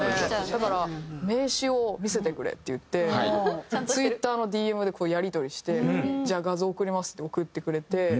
だから「名刺を見せてくれ」って言ってツイッターのＤＭでやり取りして「じゃあ画像送ります」って送ってくれて。